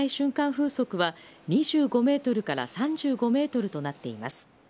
風速は２５メートルから３５メートルとなっています。